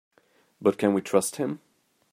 But can we trust him?